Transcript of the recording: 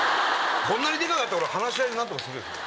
こんなにでかかったら俺話し合いで何とかするよ。